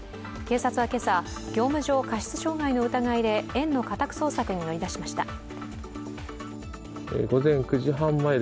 警察は今朝、業務上過失傷害の疑いで園の家宅捜索に乗り出しました。